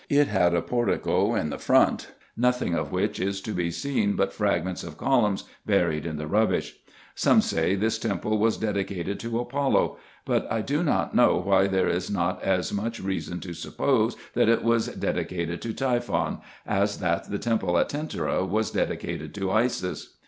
It had a portico in the front ; nothing of which is to be seen but fragments of columns buried in the rubbish. Some say this temple was dedicated to Apollo : but I do not know why there 58 RESEARCHES AND OPERATIONS is not as much reason to suppose that it was dedicated to Typhon, as that the temple at Tentyra was dedicated to Isis.